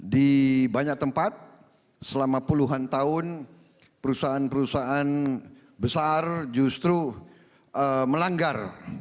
di banyak tempat selama puluhan tahun perusahaan perusahaan besar justru melanggar